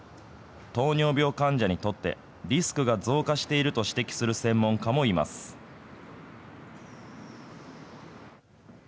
糖尿病患者にとってリスクが増加していると指摘する専門家もいます。